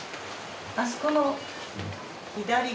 あそこの。